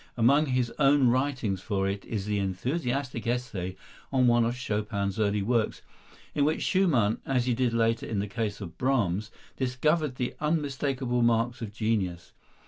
Among his own writings for it is the enthusiastic essay on one of Chopin's early works, in which Schumann, as he did later in the case of Brahms, discovered the unmistakable marks of genius.